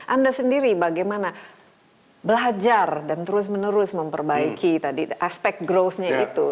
anda sendiri bagaimana belajar dan terus menerus memperbaiki tadi aspek growth nya itu